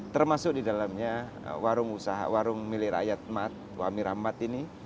termasuk di dalamnya warung milirakyat mat wami ramat ini